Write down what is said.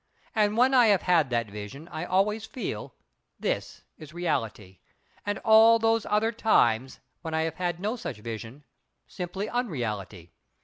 And when I have had that vision I always feel, this is reality, and all those other times, when I have no such vision, simple unreality.